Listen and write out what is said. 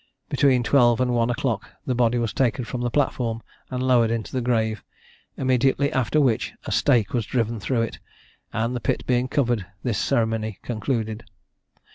Between twelve and one o'clock the body was taken from the platform, and lowered into the grave, immediately after which a stake was driven through it; and, the pit being covered, this ceremony concluded.